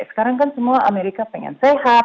sekarang kan semua amerika pengen sehat